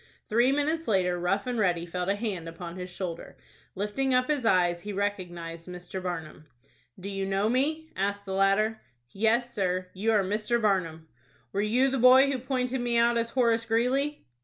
Three minutes later, Rough and Ready felt a hand upon his shoulder. Lifting up his eyes, he recognized Mr. Barnum. "Do you know me?" asked the latter. "Yes, sir, you are Mr. Barnum." "Were you the boy who pointed me out as Horace Greeley?"